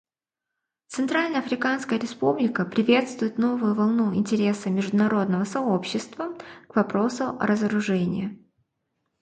Центральноафриканская Республика приветствует новую волну интереса международного сообщества к вопросу разоружения.